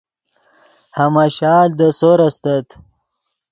ہماشال دے سور استت